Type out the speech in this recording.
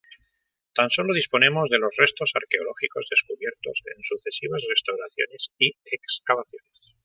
Tan solo disponemos de los restos arqueológicos descubiertos en sucesivas restauraciones y excavaciones.